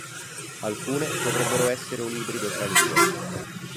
Alcune potrebbero essere un ibrido tra le due.